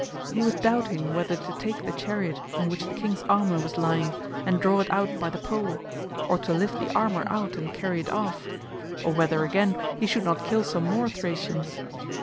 He was doubting whether to take the chariot in which the king's armour was lying, and draw it out by the pole, or to lift the armour out and carry it off; or whether again, he should not kill some more Thracians.